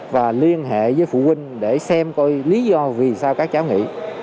và liên hệ với phụ huynh để xem coi lý do vì sao các cháu nghỉ